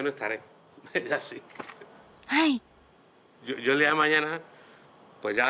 はい。